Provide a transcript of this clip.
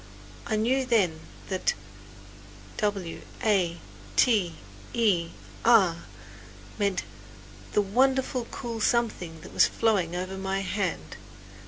I knew then that "w a t e r" meant the wonderful cool something that was flowing over my hand.